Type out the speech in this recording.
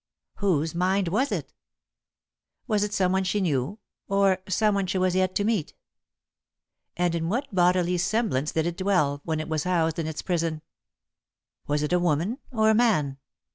Whose mind was it? Was it someone she knew, or someone she was yet to meet? And in what bodily semblance did it dwell, when it was housed in its prison? Was it a woman, or a man?